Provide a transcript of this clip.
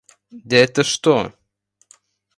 Да это что!